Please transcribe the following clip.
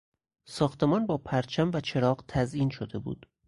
ساختمان با پرچم و چراغ تزیین شده بود.